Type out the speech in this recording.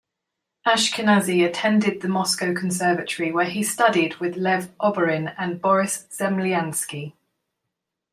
Ashkenazy attended the Moscow Conservatory where he studied with Lev Oborin and Boris Zemliansky.